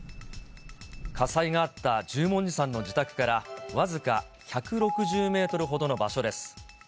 火災があった十文字さんの自宅から、僅か１６０メートルほどの場所です。